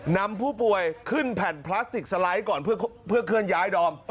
นำผู้ป่วยขึ้นแผ่นพลาสติกสไลด์ก่อนเพื่อเคลื่อนย้ายดอม